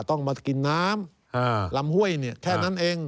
ต้องมากินน้ำลำห้วยแค่นั้นเอง